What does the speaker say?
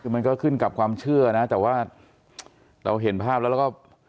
คือมันก็ขึ้นกับความเชื่อนะแต่ว่าเราเห็นภาพแล้วเราก็